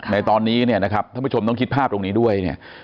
ในตอนนี้ชมต้องคิดภาพตรงนี้ด้วย